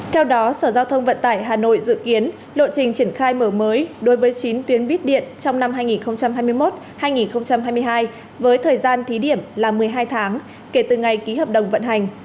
theo đó sở giao thông vận tải hà nội dự kiến lộ trình triển khai mở mới đối với chín tuyến bít điện trong năm hai nghìn hai mươi một hai nghìn hai mươi hai với thời gian thí điểm là một mươi hai tháng kể từ ngày ký hợp đồng vận hành